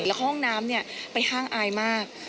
แล้วเข้าห้องน้ำเนี่ยไปห้างอายมาก